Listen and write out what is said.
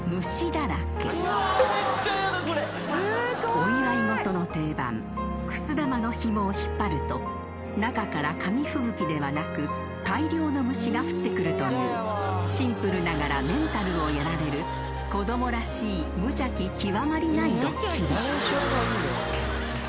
［お祝い事の定番くす玉のひもを引っ張ると中から紙吹雪ではなく大量の虫が降ってくるというシンプルながらメンタルをやられる子供らしい無邪気極まりないドッキリ］